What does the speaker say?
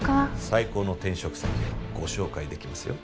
最高の転職先をご紹介できますよ。